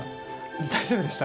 大丈夫でした？